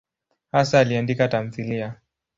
Hasa aliandika tamthiliya.